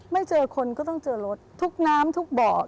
ไม่เจอคนก็ต้องเจอรถทุกน้ำทุกเบาะ